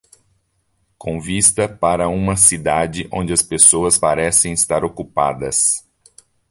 Com vista para uma cidade onde as pessoas parecem estar ocupadas.